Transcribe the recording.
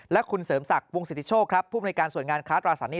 และคุณเสริมศักดิ์วงสิทธิโชคผู้บริการส่วนงานค้าตราศัตริย์